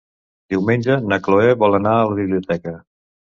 Diumenge na Cloè vol anar a la biblioteca.